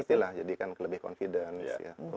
pastilah jadikan lebih confidence ya